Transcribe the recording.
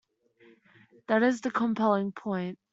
That's a compelling point.